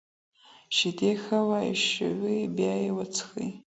شیدې ښه وایشوئ بیا یې وڅښئ.